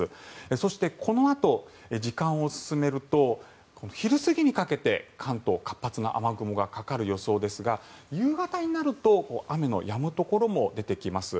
そして、このあと時間を進めると昼過ぎにかけて関東活発な雨雲がかかる予想ですが夕方になると雨のやむところも出てきます。